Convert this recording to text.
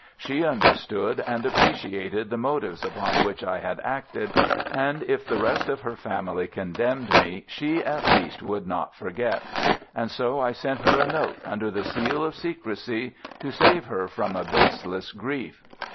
She understood and appreciated the motives upon which I had acted, and if the rest of her family condemned me, she, at least, would not forget. And so I sent her a note under the seal of secrecy to save her from a baseless grief.